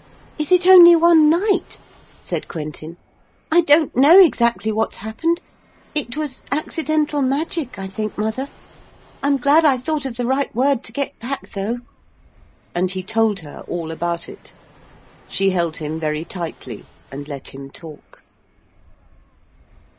'Is it only one night?' said Quentin. 'I don't know exactly what's happened. It was accidental magic, I think, mother. I'm glad I thought of the right word to get back, though.' And then he told her all about it. She held him very tightly and let him talk.